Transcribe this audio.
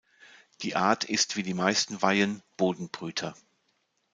Die Art ist wie die meisten Weihen Bodenbrüter.